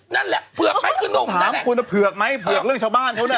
นั่นแหละเพรืองแหละคุณกำลังกูเรียกทุกคน